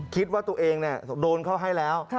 คิดว่าตัวเองโดนเขาให้แล้ว